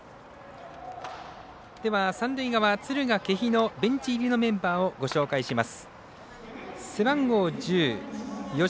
三塁側、敦賀気比のベンチ入りメンバーをご紹介します。